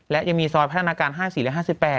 และยังมีซอยพัฒนาการ๕๔และ๕๘